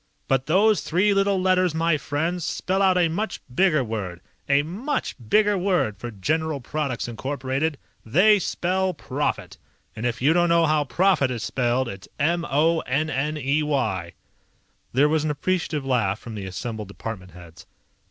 "But those three little letters, my friends, spell out a much bigger word. A much bigger word for General Products, Incorporated. They spell PROFIT! And if you don't know how profit is spelled, it's M O N N E Y!" There was an appreciative laugh from the assembled department heads.